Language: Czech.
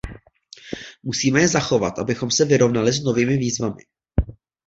Musíme je zachovat, abychom se vyrovnali s novými výzvami.